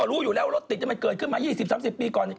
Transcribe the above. รู้อยู่แล้วรถติดมันเกิดขึ้นมา๒๐๓๐ปีก่อน